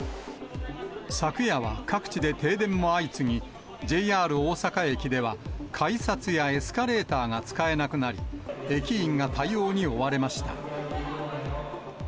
昨夜は各地で停電も相次ぎ、ＪＲ大阪駅では、改札やエスカレーターが使えなくなり、駅員が対応に追われました。